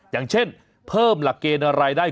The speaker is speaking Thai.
อย่างเช่นเพิ่มหลักเกณฑ์อะไรได้